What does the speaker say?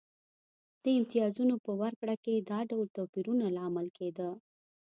د امتیازونو په ورکړه کې دا ډول توپیرونه لامل کېده.